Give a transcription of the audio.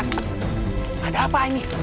anak ada apa ini